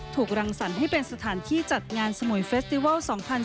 ถูกรังสรรค์ให้เป็นสถานที่จัดงานสมุยเฟสติวัล๒๐๑๙